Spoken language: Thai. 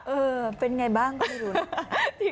เออเป็นไงบ้างไม่รู้นะ